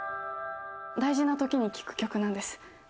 大事なときに聴く曲なんです